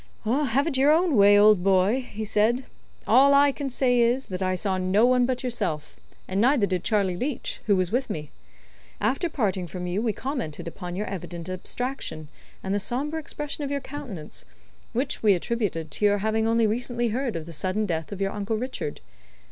"Have it your own way, old boy," he said. "All I can say is, that I saw no one but yourself, and neither did Charley Leitch, who was with me. After parting from you we commented upon your evident abstraction, and the sombre expression of your countenance, which we attributed to your having only recently heard of the sudden death of your Uncle Richard.